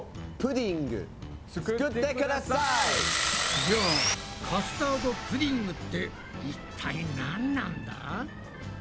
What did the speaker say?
じゃあ「カスタードプディング」っていったいなんなんだ？